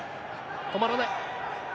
止まらない。